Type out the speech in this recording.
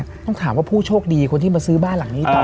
ต้องถามว่าผู้โชคดีคนที่มาซื้อบ้านหลังนี้ต่อ